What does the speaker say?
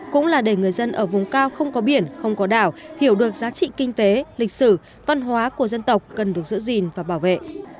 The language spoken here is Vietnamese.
cũng là để người dân ở vùng cao không có biển không có đảo hiểu được giá trị kinh tế lịch sử văn hóa của dân tộc cần được giữ gìn và bảo vệ